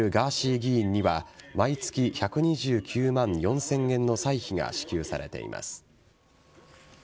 議員には毎月１２９万４０００円の歳費が支給されています。